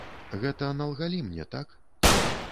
Гэта налгалі мне, так?